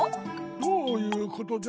どういうことじゃ？